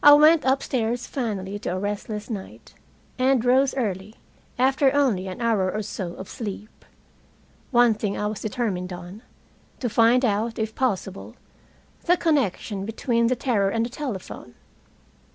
I went upstairs finally to a restless night, and rose early, after only an hour or so of sleep. One thing I was determined on to find out, if possible, the connection between the terror and the telephone.